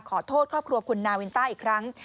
ขอโทษครอบครัวคุณนาวินต้าอีกครั้ง